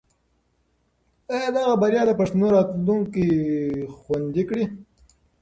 آیا دغه بریا به د پښتنو راتلونکی خوندي کړي؟